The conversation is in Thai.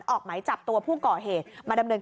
พ่อบอกว่าจริงแล้วก็เป็นยาดกันด้วย